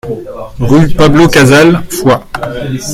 Rue Pablo Casals, Foix